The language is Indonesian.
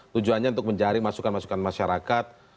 tujuannya untuk mencari masukan masukan masyarakat